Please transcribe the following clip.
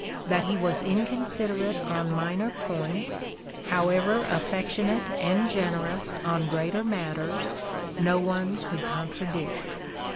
That he was incon siderate on minor points, however affectionate and generous on greater matters, no one could contradict.